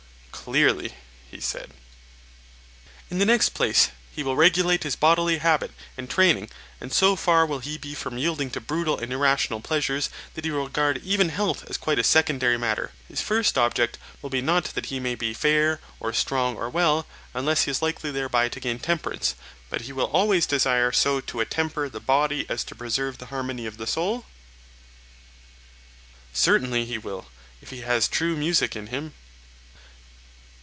Clearly, he said. In the next place, he will regulate his bodily habit and training, and so far will he be from yielding to brutal and irrational pleasures, that he will regard even health as quite a secondary matter; his first object will be not that he may be fair or strong or well, unless he is likely thereby to gain temperance, but he will always desire so to attemper the body as to preserve the harmony of the soul? Certainly he will, if he has true music in him.